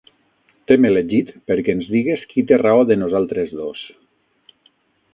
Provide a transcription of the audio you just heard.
T'hem elegit perquè ens digues qui té raó de nosaltres dos.